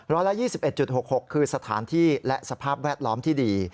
ร้อยละ๒๑๖๖คือสถานที่และสภาพแวดล้อมที่ดี